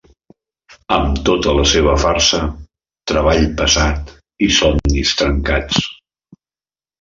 Amb tota la seva farsa, treball pesat i somnis trencats